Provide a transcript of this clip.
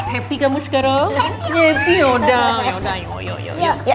happy kamu sekarang happy yaudah yuk yuk yuk yuk